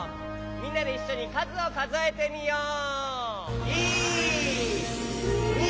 みんなでいっしょにかずをかぞえてみよう！